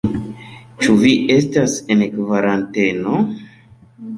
Ĉu vi estas en kvaranteno?